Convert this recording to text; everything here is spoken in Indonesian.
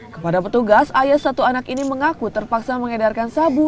kepada petugas ayah satu anak ini mengaku terpaksa mengedarkan sabu